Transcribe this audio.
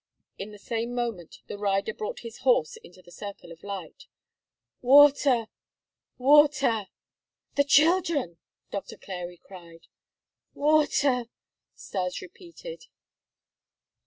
In the same moment the rider brought his horse into the circle of light. "Water! Water!" "The children!" Doctor Clary cried. "Water!" Stas repeated.